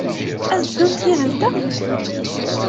Ad d-ddunt yid-nteɣ?